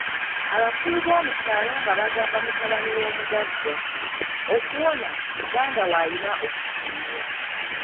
Abakulu b'omukyalo nga bagamba mutabani w'omuggaga, okuwona, muganda wo ayina okusonyiwa.